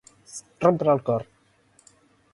Rompre el cor.